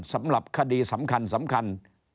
สำหรับคดีสำคัญ